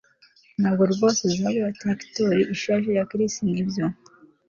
Ntabwo rwose uzagura traktor ishaje ya Chris nibyo